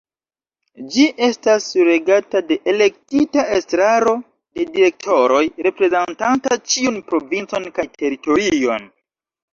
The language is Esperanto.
Ĝi estas regata de elektita Estraro de direktoroj reprezentanta ĉiun provincon kaj teritorion.